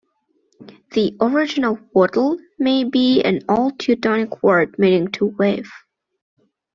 The origin of "wattle" may be an Old Teutonic word meaning "to weave".